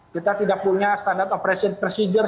kita tidak punya standard operation procedure